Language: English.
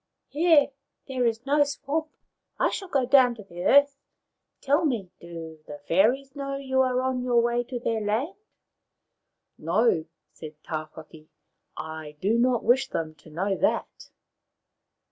Here there is no swamp. I shall go down to the earth. Tell me, do the fairies know you are on your way to their land ?"" No," said Tawhaki. " I do not wish them to know that."